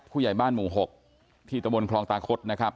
พอเราเห็นแล้วเราทำยังไงกันต่อ